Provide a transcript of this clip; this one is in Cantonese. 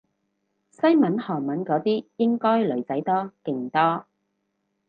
西文韓文嗰啲應該女仔多勁多